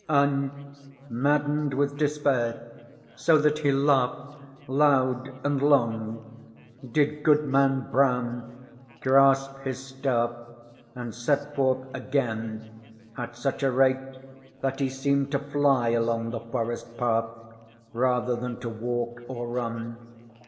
And, maddened with despair, so that he laughed loud and long, did Goodman Brown grasp his staff and set forth again, at such a rate that he seemed to fly along the forest path rather than to walk or run.